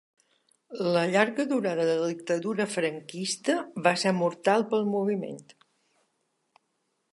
La llarga durada de la dictadura franquista va ser “mortal” pel moviment.